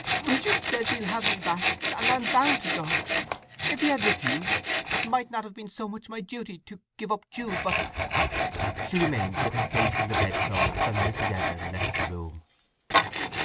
"Richard says he'll have me back, and I'm bound to go! If he had refused, it might not have been so much my duty to—give up Jude. But—" She remained with her face in the bed clothes, and Mrs. Edlin left the room.